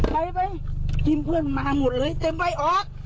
ไปไหมทีมเพื่อนมาหมดเลยเต็มใบออก